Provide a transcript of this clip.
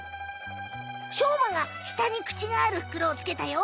しょうまが下にくちがあるふくろをつけたよ。